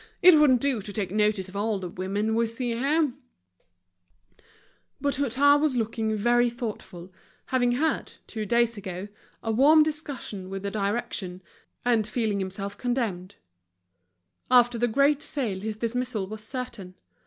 It wouldn't do to take notice of all the women we see here." But Hutin was looking very thoughtful, having had, two days ago, a warm discussion with the direction, and feeling himself condemned. After the great sale his dismissal was certain.